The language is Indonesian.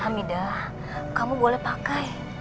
hamidah kamu boleh pakai